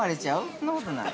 そんなことない？